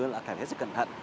là phải hết sức cẩn thận